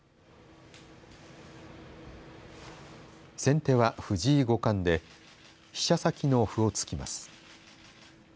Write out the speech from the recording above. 先手は藤井五冠で飛車先の歩をつきます。